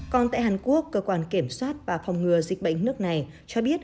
còn tại hàn quốc cơ quan kiểm soát và phòng ngừa dịch bệnh nước này cho biết